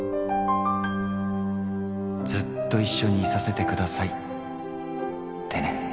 「ずっと一緒にいさせて下さい」ってね。